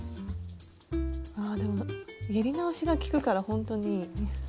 あでもやり直しがきくからほんとにいい。